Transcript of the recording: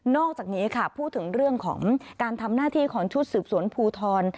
อกจากนี้ค่ะพูดถึงเรื่องของการทำหน้าที่ของชุดสืบสวนภูทร